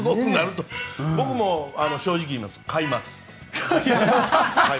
僕も正直言えば買います。